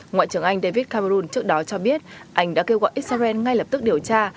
ngoại trưởng anh david camerun trước đó cho biết anh đã kêu gọi israel ngay lập tức điều tra